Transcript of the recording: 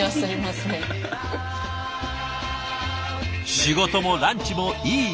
仕事もランチもいいバランス。